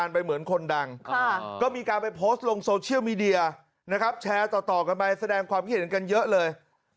ไปโพสต์ลงโซเชียลมีเดียนะครับแชร์ต่อต่อกันไปแสดงความคิดเห็นกันเยอะเลย